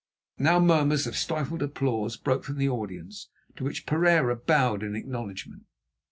Now murmurs of stifled applause broke from the audience, to which Pereira bowed in acknowledgment.